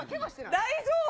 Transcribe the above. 大丈夫？